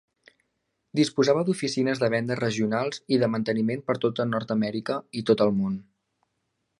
Disposava d"oficines de vendes regionals i de manteniment per tota Nord-amèrica i tot el món.